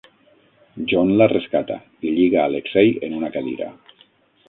John la rescata, i lliga Alexei en una cadira.